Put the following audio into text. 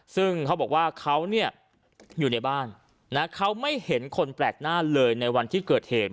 ซึ่งเขาบอกว่าเขาเนี่ยอยู่ในบ้านนะเขาไม่เห็นคนแปลกหน้าเลยในวันที่เกิดเหตุ